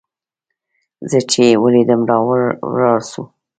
زه چې يې وليدلم راولاړ سو.